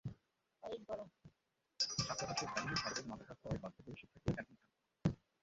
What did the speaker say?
ছাত্রাবাসের ডাইনিংয়ের খাবারের মান খারাপ হওয়ায় বাধ্য হয়েই শিক্ষার্থীরা ক্যানটিনে খান।